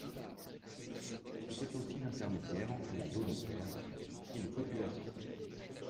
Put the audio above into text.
C'était aussi l'intermédiaire entre la donataire et les populations.